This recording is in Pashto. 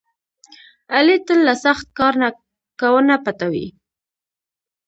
علي تل له سخت کار نه کونه پټوي.